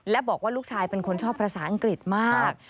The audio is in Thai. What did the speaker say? และบอกว่าลูกชายเป็นคนชอบภาษาอังกฤษมาก